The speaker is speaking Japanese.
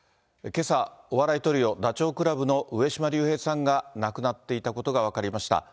けさ、お笑いトリオ、ダチョウ倶楽部の上島竜兵さんが亡くなっていたことが分かりました。